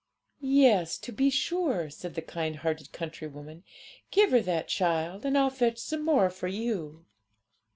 'Yes, to be sure,' said the kind hearted countrywoman; 'give her that, child, and I'll fetch some more for you.'